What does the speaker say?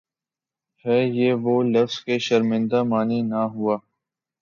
ہے یہ وہ لفظ کہ شرمندۂ معنی نہ ہوا